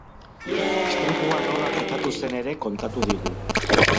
Istripua nola gertatu zen ere kontatu digu.